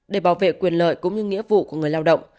để bảo vệ quyền lợi cũng như nghĩa vụ của người lao động